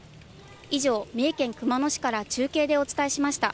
以上、三重県熊野市から中継でお伝えしました。